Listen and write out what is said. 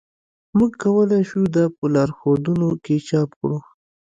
موږ کولی شو دا په لارښودونو کې چاپ کړو